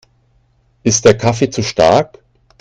Ist der Kaffee zu stark?